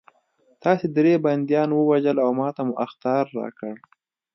تاسې درې بندیان ووژل او ماته مو اخطار راکړ